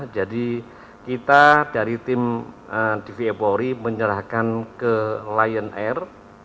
jadi kita dari tim dvi polri menyerahkan ke lion air